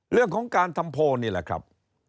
เรื่องของการทำโพลนี่แหละครับ